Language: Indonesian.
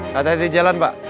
katanya di jalan pak